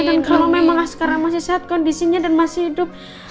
dan kalau memang askara masih sehat kondisinya dan masih hidup